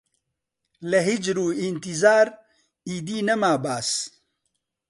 لە هیجر و ئینتیزار ئیدی نەما باس